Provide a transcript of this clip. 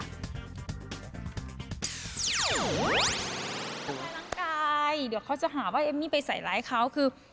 พลังกายเดี๋ยวเขาจะหาว่าเอ็มมี่ไปใส่ไลค์เขาคือ